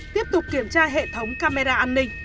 tiếp tục kiểm tra hệ thống camera an ninh